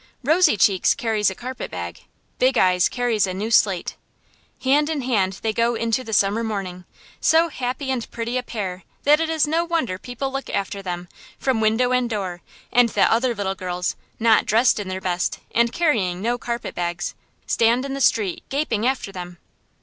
Rosy Cheeks carries a carpet bag; Big Eyes carries a new slate. Hand in hand they go into the summer morning, so happy and pretty a pair that it is no wonder people look after them, from window and door; and that other little girls, not dressed in their best and carrying no carpet bags, stand in the street gaping after them.